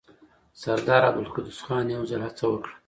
سردار عبدالقدوس خان يو ځل هڅه وکړه.